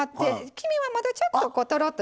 黄身はまだちょっととろっと。